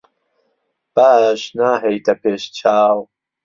باش ناهێیتە پێش چاو.